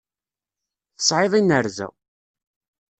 Tesεiḍ inerza.